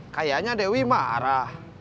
kayaknya dewi marah